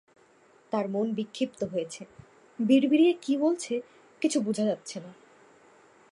তার মন বিক্ষিপ্ত হয়েছে, বিড়বিড়িয়ে কি বলছে কিছু বুঝা যাচ্ছে না।